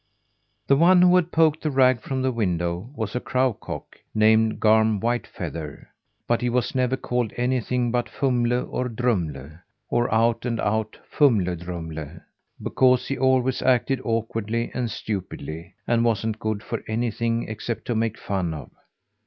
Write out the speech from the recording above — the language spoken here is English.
The one who had poked the rag from the window was a crow cock named Garm Whitefeather; but he was never called anything but Fumle or Drumle, or out and out Fumle Drumle, because he always acted awkwardly and stupidly, and wasn't good for anything except to make fun of.